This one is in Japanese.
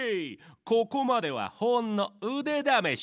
ここまではほんのうでだめし。